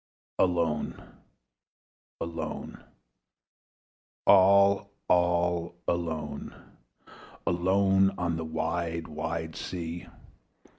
Alone, alone, all, all alone, Alone on a wide wide sea!